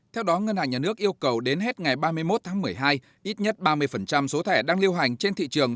theo đó ngân hàng nhà nước yêu cầu đến hết ngày ba mươi một tháng một mươi hai ít nhất ba mươi số thẻ đang liêu hành trên thị trường